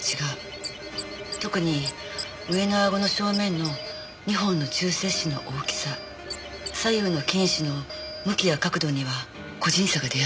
特に上の顎の正面の２本の中切歯の大きさ左右の犬歯の向きや角度には個人差が出やすい。